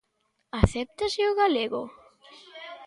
Acéptase o galego?